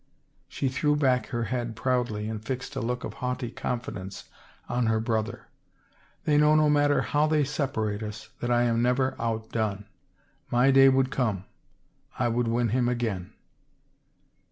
She threw back her head proudly and fixed a look of haughty confidence on her brother. " They know no matter how they separate us, that I am never outdone. My day would come. I would win him again."